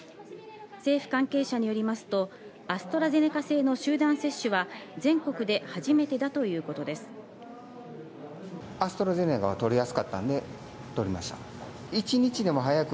政府関係者によりますとアストラゼネカ製の集団接種は全国で初めてだということです。